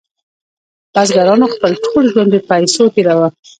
بزګرانو خپل ټول ژوند بې پیسو تیروه.